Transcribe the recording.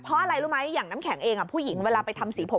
เพราะอะไรรู้ไหมอย่างน้ำแข็งเองผู้หญิงเวลาไปทำสีผม